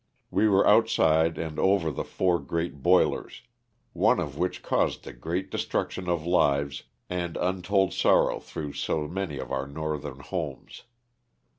We were outside and over the four great boilers, one of which caused the great destruction of lives and untold sorrow through so many of our northern homes.